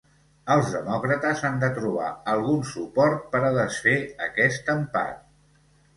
Els demòcrates han de trobar algun suport per a desfer aquest empat.